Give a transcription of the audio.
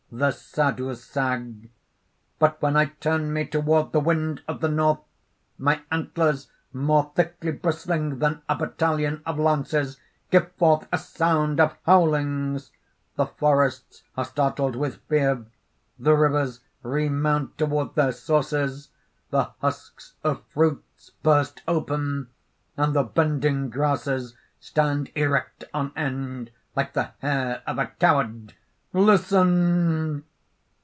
_) THE SADHUZAG: "But when I turn me toward the wind of the North, my antlers, more thickly bristling than a battalion of lances, give forth a sound of howlings: the forests are startled with fear; the rivers remount toward their sources; the husks of fruits burst open; and the bending grasses stand erect on end, like the hair of a coward. "Listen!"